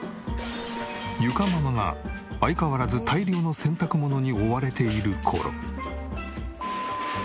裕佳ママが相変わらず大量の洗濯物に追われている頃。